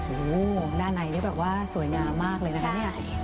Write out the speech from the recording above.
โอ้โหด้านในนี่แบบว่าสวยงามมากเลยนะคะเนี่ย